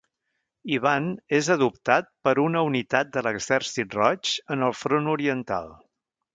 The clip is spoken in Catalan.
Ivan és adoptat per una unitat de l'Exèrcit Roig en el front oriental.